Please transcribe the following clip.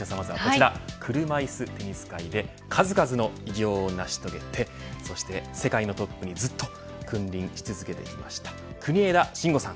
車いすテニス界で数々の偉業を成し遂げてそして、世界のトップにずっと君臨し続けてきました国枝慎吾さん。